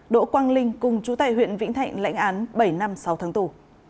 đỗ quang linh cùng chú tại huyện vĩnh thạnh lãnh án bảy năm sáu tháng tù